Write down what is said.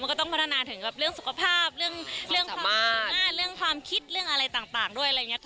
มันก็ต้องพัฒนาถึงเรื่องสุขภาพเรื่องความคิดเรื่องอะไรต่างด้วยอะไรอย่างนี้